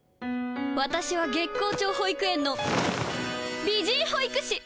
私は月光町保育園の美人保育士。